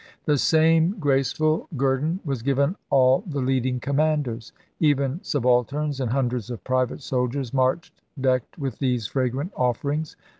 The same graceful guerdon was given all the leading commanders; even subalterns and hundreds of private soldiers marched decked with these fragrant offerings.